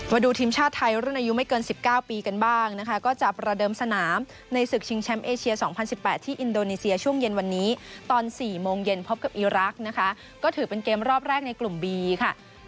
มาดูทีมชาติไทยรุ่นอายุไม่เกิน๑๙ปีกันบ้างนะคะก็จะประเดิมสนามในศึกชิงแชมป์เอเชีย๒๐๑๘ที่อินโดนีเซียช่วงเย็นวันนี้ตอน๔โมงเย็นพบกับอีรักษ์นะคะก็ถือเป็นเกมรอบแรกในกลุ่มบีค่ะ